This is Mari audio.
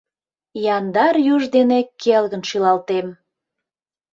Яндар юж дене келгын шӱлалтем.